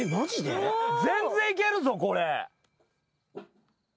全然いけるぞこれ。